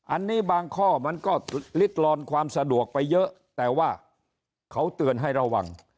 อันนี้บางข้อมันก็ลิดลอนความสะดวกไปเยอะแต่ว่าเขาเตือนให้ระวัง